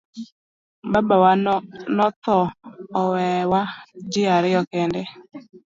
Babawa no tho owewa ji ariyo kende.